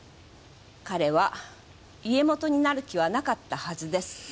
彼は家元になる気はなかったはずです！